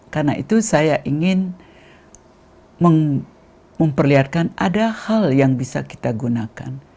karena itu saya ingin memperlihatkan ada hal yang bisa kita gunakan